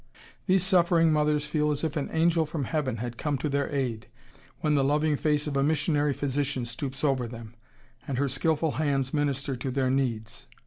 These suffering mothers feel as if an angel from heaven had come to their aid, when the loving face of a missionary physician stoops over them, and her skilful hands minister to their needs.